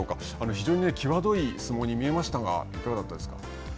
非常に際どい相撲に見えましたが、いかがだったですか。